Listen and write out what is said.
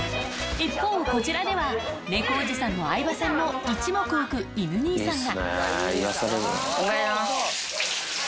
一方、こちらでは、猫おじさんも相葉さんも一目置く犬兄さんが。